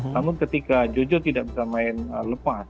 namun ketika jojo tidak bisa main lepas